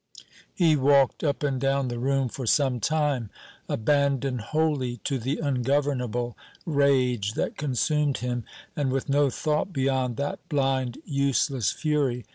He walked up and down the room for some time, abandoned wholly to the ungovernable rage that consumed him, and with no thought beyond that blind useless fury.